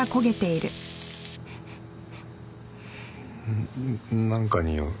んんなんかにおう。